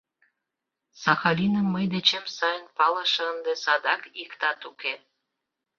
Сахалиным мый дечем сайын палыше ынде садак иктат уке.